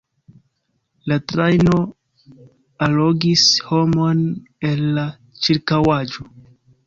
La trajno allogis homojn el la ĉirkaŭaĵo.